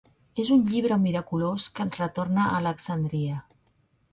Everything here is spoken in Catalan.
És un llibre miraculós, que ens retorna a Alexandria.